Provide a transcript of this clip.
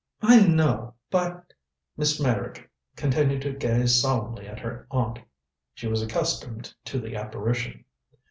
"I know but " Miss Meyrick continued to gaze solemnly at her aunt. She was accustomed to the apparition.